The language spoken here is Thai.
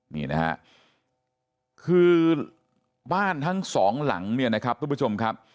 นี่นะฮะคือบ้านทั้งสองหลังเนี่ยนะครับทุกผู้ชมครับ